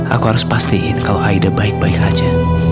aku harus pastiin kalau aida baik baik aja